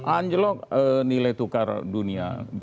anjlok nilai tukar dunia